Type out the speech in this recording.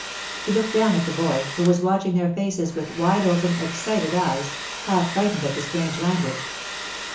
He looked down at the boy, who was watching their faces with wide open, excited eyes, half frightened at the strange language.